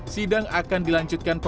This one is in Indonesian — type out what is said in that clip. sidang akan dilanjutkan pekan depan